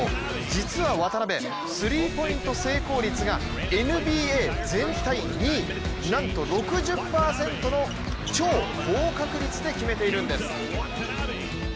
実は渡邊、スリーポイント成功率がＮＢＡ全体２位、なんと６０％の超高確率で決めているんです。